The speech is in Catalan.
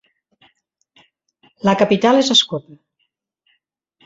La capital és Ascope.